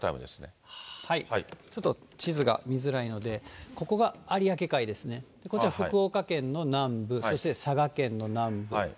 ちょっと地図が見づらいので、ここが有明海ですね、こちらは福岡県の南部、そして佐賀県の南部。